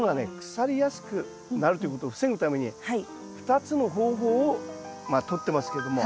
腐りやすくなるということを防ぐために２つの方法をまあとってますけども。